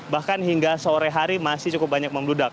bahkan hingga sore hari masih cukup banyak membludak